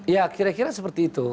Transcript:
ya kira kira seperti itu